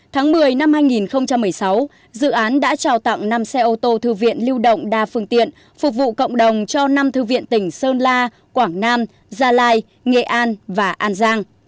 tháng một mươi năm hai nghìn một mươi sáu dự án đã trao tặng năm xe ô tô thư viện lưu động đa phương tiện phục vụ cộng đồng cho năm thư viện tỉnh sơn la quảng nam gia lai nghệ an và an giang